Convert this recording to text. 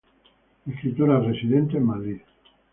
Escritora residente en Madrid.